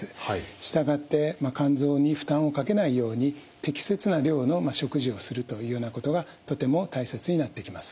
従って肝臓に負担をかけないように適切な量の食事をするというようなことがとても大切になってきます。